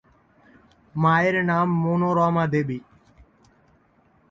মায়ের নাম মনোরমা দেবী।